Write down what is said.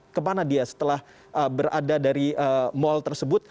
atau mungkin setelah dia berada di mall tersebut